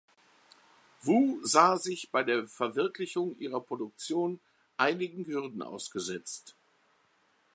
Wu sah sich bei der Verwirklichung ihrer Produktion einigen Hürden ausgesetzt.